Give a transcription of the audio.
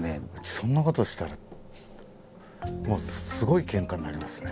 そんなことしたらもうすごいけんかになりますね。